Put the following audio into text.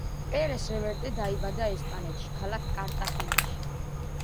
პერეს–რევერტე დაიბადა ესპანეთში, ქალაქ კარტახენაში.